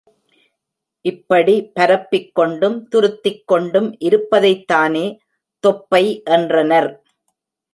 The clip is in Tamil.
இப்படி பரப்பிக் கொண்டும், துருத்திக் கொண்டும் இருப்பதைத்தானே தொப்பை என்றனர்.